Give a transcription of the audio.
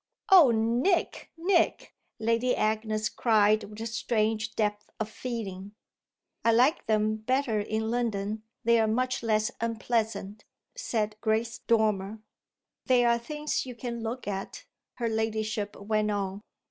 "Oh Nick, Nick!" Lady Agnes cried with a strange depth of feeling. "I like them better in London they're much less unpleasant," said Grace Dormer. "They're things you can look at," her ladyship went on.